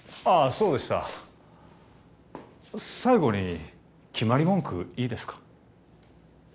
そうでした最後に決まり文句いいですか？